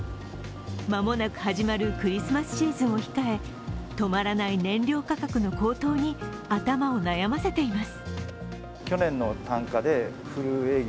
間もなく始まるクリスマスシーズンを控え、止まらない燃料価格の高騰に頭を悩ませています。